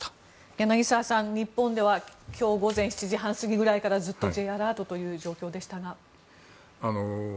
柳澤さん、日本では今日午前７時半過ぎぐらいからずっとＪアラートという状況でしたが。